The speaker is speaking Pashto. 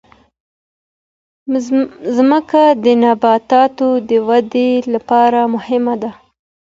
مځکه د نباتاتو د ودې لپاره مهمه ده.